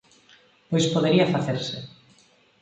Pois podería facerse.